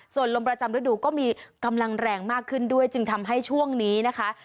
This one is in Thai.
ส่วนลมประจำฤดูก็มีกำลังแรงมากขึ้นด้วยจึงทำให้ช่วงนี้นะคะ